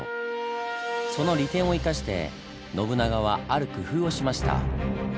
その利点を生かして信長はある工夫をしました。